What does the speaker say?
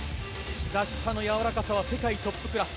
ひざ下のやわらかさは世界トップクラス。